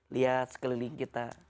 lihat sekeliling kita